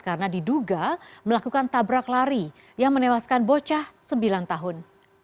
karena diduga melakukan tabrak lari yang menewaskan bocah sembilan tahun